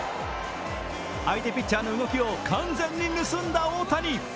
相手ピッチャーの動きを完全に盗んだ大谷。